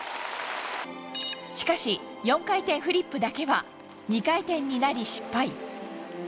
しかし４回転フリップだけは２回転になり失敗。